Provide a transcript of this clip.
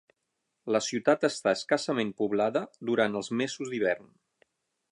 La ciutat està escassament poblada durant els mesos d'hivern.